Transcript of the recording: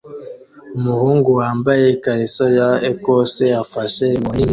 Umuhungu wambaye ikariso ya Ecosse afashe inkoni nini